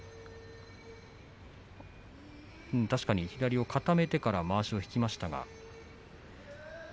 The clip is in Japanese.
左を固めてからまわしを引きました。